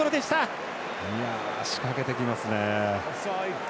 仕掛けてきますね。